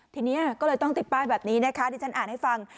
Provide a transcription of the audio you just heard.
ทีนี้ก็เลยต้องติดป้ายแบบนี้นะคะที่ฉันอ่านให้ฟัง